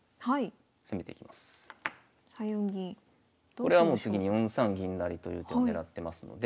これはもう次に４三銀成という手を狙ってますので。